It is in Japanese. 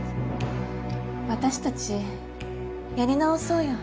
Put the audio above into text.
私たちやり直そうよ。